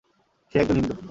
সে একজন হিন্দু।